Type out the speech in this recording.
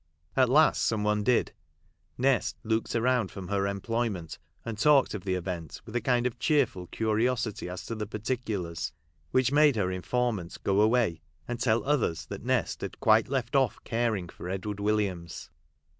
At last, some one did. Nest looked round from her employment, and talked of the event with a kind of cheerful curiosity as to the particulars, which, made her informant go away, and tell others that Nest had quite left off caring for Edward Williams.